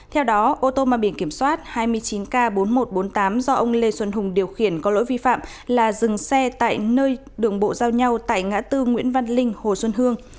theo đó ô tô mang biển kiểm soát hai mươi chín k bốn nghìn một trăm bốn mươi tám do ông lê xuân hùng điều khiển có lỗi vi phạm là dừng xe tại nơi đường bộ giao nhau tại ngã tư nguyễn văn linh hồ xuân hương